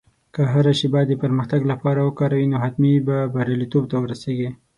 که هره شېبه د پرمختګ لپاره وکاروې، نو حتمي به بریالیتوب ته ورسېږې.